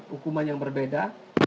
hukuman yang berbeda